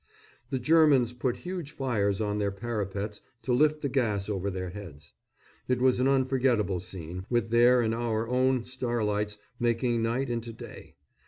The Germans put huge fires on their parapets to lift the gas over their heads. It was an unforgettable scene, with their and our own star lights making night into day.